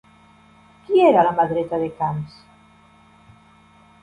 Qui era la mà dreta de Camps?